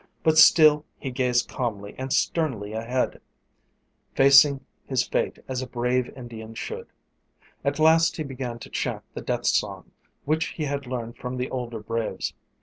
But still he gazed calmly and sternly ahead, facing his fate as a brave Indian should. At last he began to chant the death song, which he had learned from the older braves.